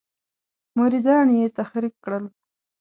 مریدان یې تحریک کړل.